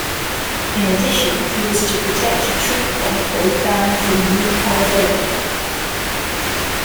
In addition, he was to protect a troop convoy bound for New Caledonia.